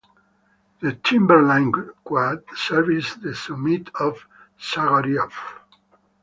"The Timberline Quad" services the summit of Sugarloaf.